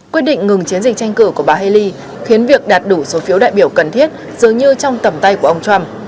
quyết định ngừng chiến dịch tranh cử của bà haley khiến việc đạt đủ số phiếu đại biểu cần thiết dường như trong tầm tay của ông trump